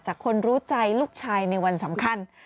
คนรู้ใจลูกชายในวันสำคัญ